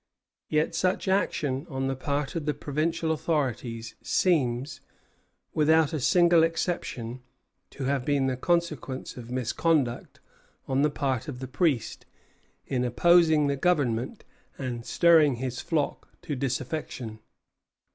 Yet such action on the part of the provincial authorities seems, without a single exception, to have been the consequence of misconduct on the part of the priest, in opposing the Government and stirring his flock to disaffection.